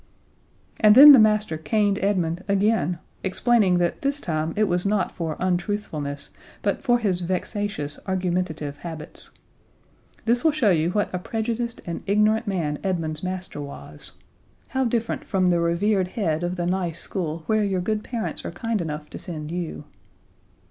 And then the master caned Edmund again, explaining that this time it was not for untruthfulness, but for his vexatious argumentative habits. This will show you what a prejudiced and ignorant man Edmund's master was how different from the revered Head of the nice school where your good parents are kind enough to send you.